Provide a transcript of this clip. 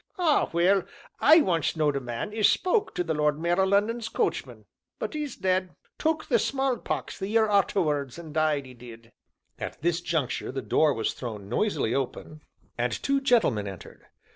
"Ah well, I once knowed a man as spoke to the Lord Mayor o' Lunnon's coachman but 'e's dead, took the smallpox the year arterwards an' died, 'e did." At this juncture the door was thrown noisily open, and two gentlemen entered.